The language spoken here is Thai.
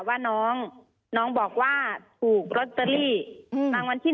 ว่าน้องบอกว่าถูกลอตเตอรี่ตั้งวันที่๑